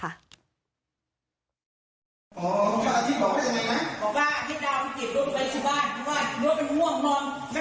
อ๋อพระอาทิตย์บอกว่ายังไงนะ